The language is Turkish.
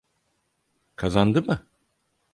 Kazandı mı?